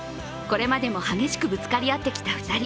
これまでも激しくぶつかり合ってきた２人。